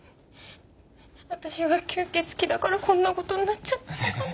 私が吸血鬼だからこんな事になっちゃったのかな？